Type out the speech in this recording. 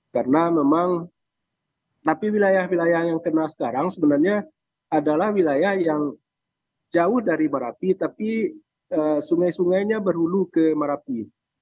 karena memang tapi wilayah wilayah yang kena sekarang sebenarnya adalah wilayah yang jauh dari marapi tapi sungai sungainya berhulu ke marapi